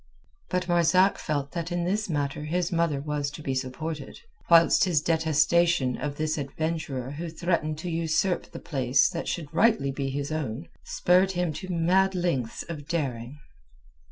But Marzak felt that in this matter his mother was to be supported, whilst his detestation of this adventurer who threatened to usurp the place that should rightly be his own spurred him to mad lengths of daring.